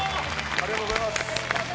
おめでとうございます。